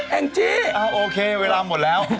แองจี้โอเคเวลาหมดแล้ว